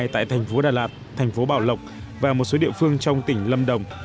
tại thành phố đà lạt thành phố bảo lộc và một số địa phương trong tỉnh lâm đồng